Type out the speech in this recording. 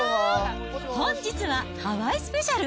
本日はハワイスペシャル。